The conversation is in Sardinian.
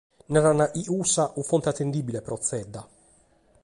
Narat chi cussa fiat fonte atendìbile pro Zedda.